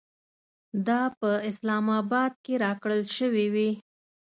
دا په اسلام اباد کې راکړل شوې وې.